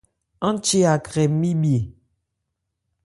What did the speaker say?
Án che Akrɛ nmibhye.